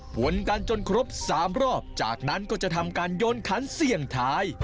ผลกันจนครบ๓รอบจากนั้นก็จะทำการโยนขันเสี่ยงท้าย